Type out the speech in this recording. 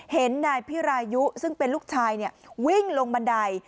เห็นนายพิรายุซึ่งเป็นลูกชายวิ่งลงบันได